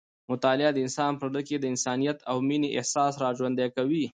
مطالعه د انسان په زړه کې د انسانیت او مینې احساس راژوندی کوي.